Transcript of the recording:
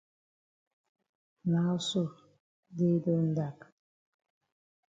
Now so day don dak.